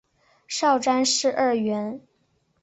少詹事二员。